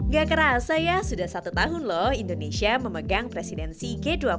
gak kerasa ya sudah satu tahun loh indonesia memegang presidensi g dua puluh